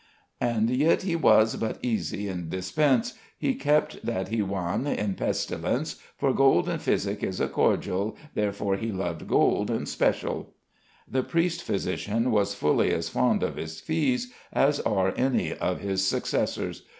"And yit he was but esy in dispence; He kepte that he wan in pestilence. For gold in phisik is a cordial; Therefore he lovede gold in special." The priest physician was fully as fond of his fees as are any of his successors.